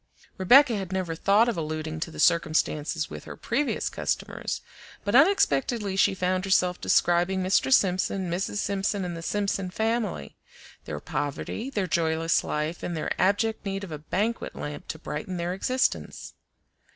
Rebecca had never thought of alluding to the circumstances with her previous customers, but unexpectedly she found herself describing Mr. Simpson, Mrs. Simpson, and the Simpson family; their poverty, their joyless life, and their abject need of a banquet lamp to brighten their existence.